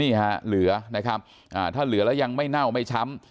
เหลือนะครับถ้าเหลือแล้วยังไม่เน่าไม่ช้ำ